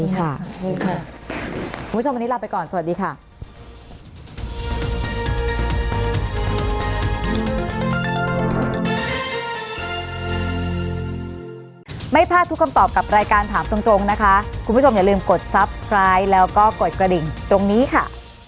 ค่ะสวัสดีค่ะคุณผู้ชมวันนี้ลาไปก่อนสวัสดีค่ะ